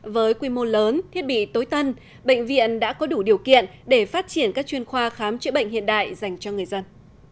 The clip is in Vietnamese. với quy mô lớn thiết bị tối tân bệnh viện đã có đủ điều kiện để phát triển các chuyên khoa khám chữa bệnh hiện đại dành cho người dân